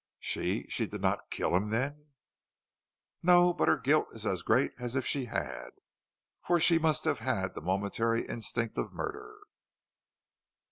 "She she did not kill him, then?" "No, but her guilt is as great as if she had, for she must have had the momentary instinct of murder."